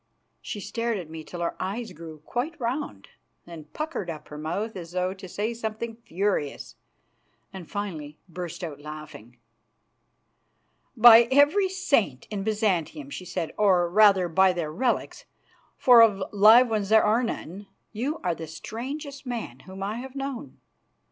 She stared at me till her eyes grew quite round, then puckered up her mouth as though to say something furious, and finally burst out laughing. "By every saint in Byzantium," she said, "or, rather, by their relics, for of live ones there are none, you are the strangest man whom I have known.